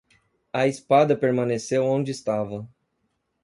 A espada permaneceu onde estava.